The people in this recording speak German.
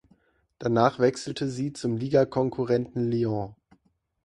Danach wechselte sie zum Ligakonkurrenten Lyon.